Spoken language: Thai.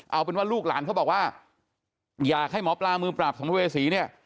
เอาเป็นว่าลูกหลานเขาบอกว่าอยากให้หมอปลามือปราบสัมภเวษีเนี่ย